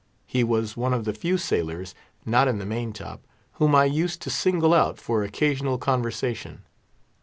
He was one of the few sailors—not in the main top—whom I used to single out for occasional conversation.